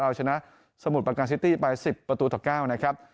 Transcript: เอาชนะสมุทรประการซิตี้ไป๑๐ประตูต่อ๙นะครับ